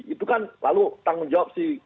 itu kan lalu tanggung jawab si